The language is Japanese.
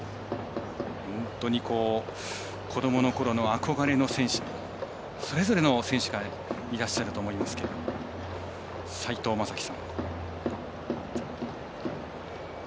本当に子どもの頃の憧れの選手それぞれの選手がいらっしゃると思いますけども斎藤雅樹さん。